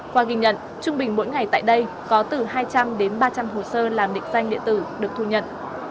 qua ghi nhận trung bình mỗi ngày tại đây có từ hai trăm linh đến ba trăm linh hồ sơ làm định danh điện tử được thu nhận